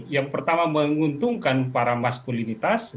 yang pertama menguntungkan para maskulinitas